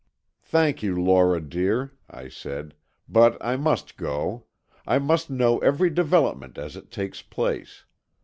"Thank you, Lora, dear," I said, "but I must go. I must know every development as it takes place.